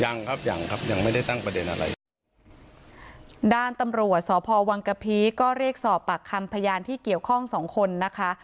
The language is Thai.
ยังครับยังครับยังไม่ได้ตั้งประเด็นอะไรด้านตำรวจสพวังกะพีก็เรียกสอบปากคำพยานที่เกี่ยวข้องสองคนนะคะ